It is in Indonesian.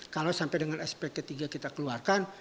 kalau sampai dengan sp ketiga kita keluarkan